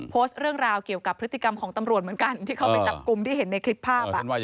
โพสต์เรื่องราวเกี่ยวกับพฤติกรรมของตำรวจเหมือนกันที่เข้าไปจับกลุ่มที่เห็นในคลิปภาพ